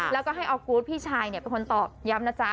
แล้วก็ให้ออกูธพี่ชายเป็นคนตอบย้ำนะจ๊ะ